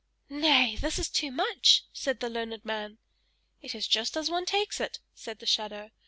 "Nay, this is too much!" said the learned man. "It is just as one takes it!" said the shadow.